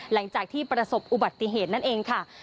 หลังจากที่ประสบอุบัติเหตุนั่นเองค่ะ